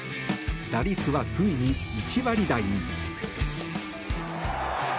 打率は、ついに１割台に。